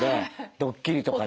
ドッキリとかの。